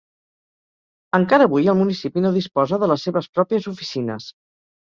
Encara avui el municipi no disposa de les seves pròpies oficines.